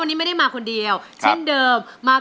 แก้มขอมาสู้เพื่อกล่องเสียงให้กับคุณพ่อใหม่นะครับ